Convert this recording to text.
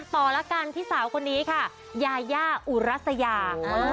ละกันที่สาวคนนี้ค่ะยายาอุรัสยา